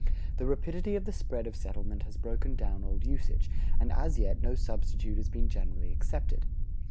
The rapidity of the spread of settlement has broken down old usage, and as yet no substitute has been generally accepted.